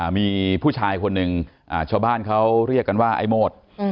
มีผู้ชายคนหนึ่งชาวบ้านเขาเรียกกันว่าไอ้โมด